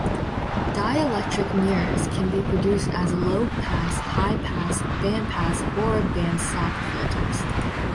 Dielectric mirrors can be produced as low-pass, high-pass, band-pass, or band-stop filters.